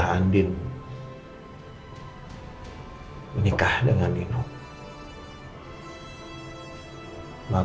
kondisi benar selamat kapa kapa